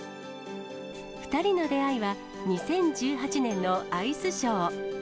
２人の出会いは、２０１８年のアイスショー。